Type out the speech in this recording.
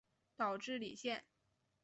岛智里线